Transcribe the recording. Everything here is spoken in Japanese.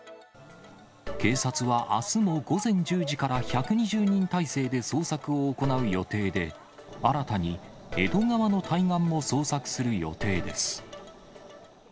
警察はあすも午前１０時から１２０人態勢で捜索を行う予定で、新たに江戸川の対岸も捜索する予定です。